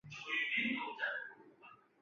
越南刺榄为山榄科刺榄属下的一个种。